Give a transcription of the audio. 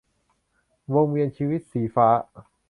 วงเวียนชีวิต - สีฟ้า